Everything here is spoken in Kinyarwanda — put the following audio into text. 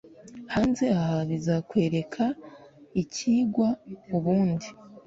hanze aha bizakwereka icyigwa, ubundi